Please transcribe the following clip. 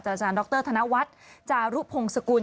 อาจารย์ดรธนวัฒน์จารุพงศกุล